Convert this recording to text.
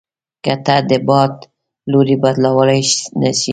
که ته د باد لوری بدلوای نه شې.